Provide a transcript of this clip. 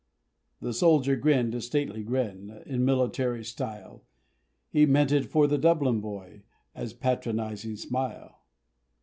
The soldier grinned a stately grin, In military style, He meant it for the Dublin boy As patronising smile!